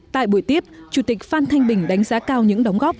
tại buổi tiếp chủ tịch phan thanh bình đánh giá cao những đóng góp